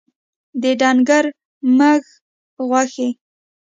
د ډنګر مږ غوښي